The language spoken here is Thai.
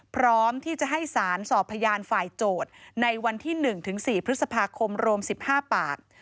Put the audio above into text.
พร้อมที่จะให้สารสอบพยานฝ่ายโจทย์ในวันที่๑๔พฤษภาคมรวม๑๕ปาก